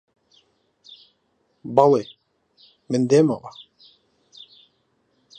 بەڵێ، من دێمەوە